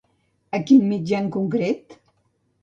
A quin mitjà en concret?